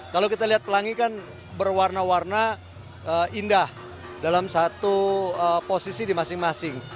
kalau kita lihat pelangi kan berwarna warna indah dalam satu posisi di masing masing